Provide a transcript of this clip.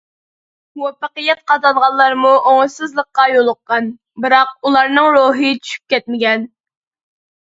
مۇۋەپپەقىيەت قازانغانلارمۇ ئوڭۇشسىزلىققا يولۇققان، بىراق ئۇلارنىڭ روھى چۈشۈپ كەتمىگەن.